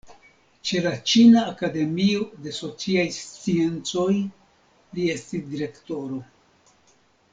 Ĉe la Ĉina Akademio de Sociaj Sciencoj li estis direktoro.